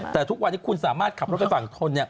แต่ทุกวันนี้คุณสามารถขับรถไปฝั่งทน